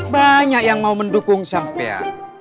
banyak yang mau mendukung sampean